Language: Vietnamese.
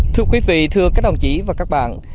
thưa quý vị thưa các đồng chí và các bạn